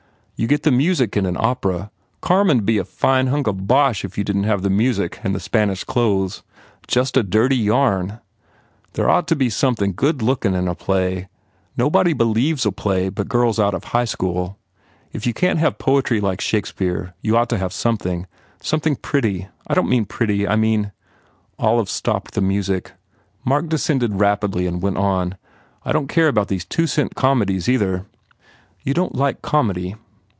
You get the music in an opera. Carmen d be a fine hunk of bosh if you didn t have the music and the Spanish clothes. Just a dirty yarn! ... There d ought to be somethin good lookin in a play. ... Nobody believes a play but girls out of High School. ... If you can t have poetry like Shakespeare you ought to have something something pretty I don t mean pretty I mean " Olive stopped the music. Mark descended rapidly and went on, "I don t care about these two cent comedies, either." "You don t like comedy?"